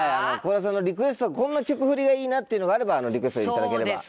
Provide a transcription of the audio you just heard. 倖田さんのリクエストこんな曲フリがいいなっていうのがあればリクエストでいただければ。